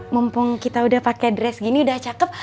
mumpung kita udah pakai dress gini udah cakep